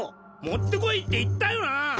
持ってこいって言ったよな！？